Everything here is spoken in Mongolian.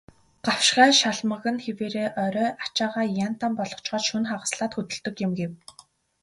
"Гавшгай шалмаг нь хэвээрээ, орой ачаагаа ян тан болгочхоод шөнө хагаслаад хөдөлдөг юм" гэв.